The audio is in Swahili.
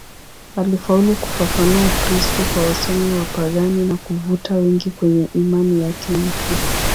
Alifaulu kufafanua Ukristo kwa wasomi wapagani na kuvuta wengi kwenye imani yake mpya.